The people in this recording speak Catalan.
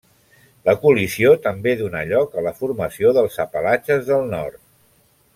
La col·lisió també donà lloc a la formació dels Apalatxes del nord.